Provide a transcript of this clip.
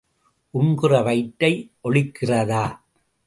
உண்கிற வயிற்றை ஒளிக்கிறதா?